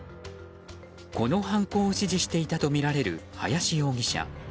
この犯行を指示していたとみられる林容疑者。